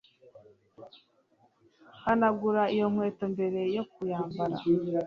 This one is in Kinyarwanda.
Hanagura iyo nkweto mbere yo kuyambara